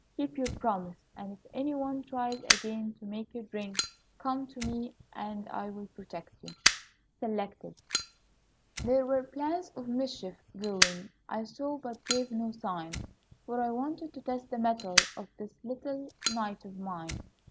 Keep your promise, and if any one tries again to make you drink, come to me, and I will protect you." Selected. "There were plans of mischief brewing; I saw, but gave no sign, For I wanted to test the mettle Of this little knight of mine.